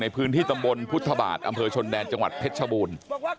ในพื้นที่ตำบลพุทธบาทอำเภอชนแดนจังหวัดเพชรชบูรณ์